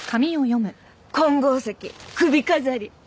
「金剛石首飾り。